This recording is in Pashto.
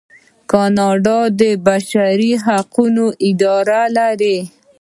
کاناډا د بشري حقونو اداره لري.